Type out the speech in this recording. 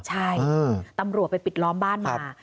ใช่ตำรวจไปปิดล้อมบ้านมา